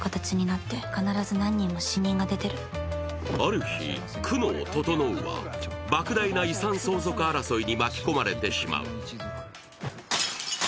ある日、九能整は、ばく大な遺産相続争いに巻き込まれてしまう。